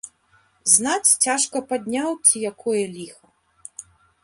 Знаць, цяжка падняў, ці якое ліха.